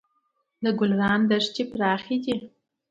د ګلران دښتې پراخې دي